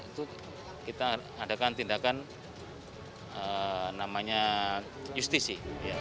itu kita adakan tindakan namanya justisi